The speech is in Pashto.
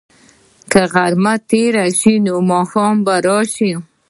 که غرمه تېره شي، نو ماښام به راشي.